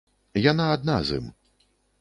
Яна адна з ім.